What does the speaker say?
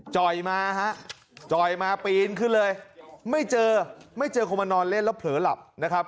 จ่อยมาฮะจ่อยมาปีนขึ้นเลยไม่เจอไม่เจอคนมานอนเล่นแล้วเผลอหลับนะครับ